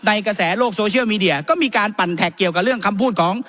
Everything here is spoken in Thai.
กระแสโลกโซเชียลมีเดียก็มีการปั่นแท็กเกี่ยวกับเรื่องคำพูดของ